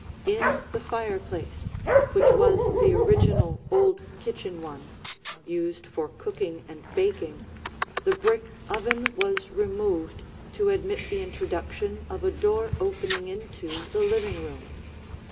In the fireplace, which was the original old kitchen one, used for cooking and baking, the brick oven was removed to admit the introduction of a door opening into the living room.